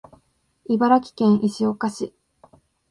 茨城県石岡市